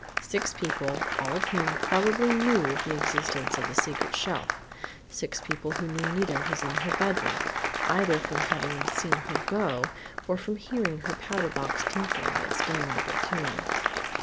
Six people, all of whom probably knew of the existence of the secret shelf.... Six people who knew Nita was in her bedroom, either from having seen her go or from hearing her powder box tinkling its damnable tune!...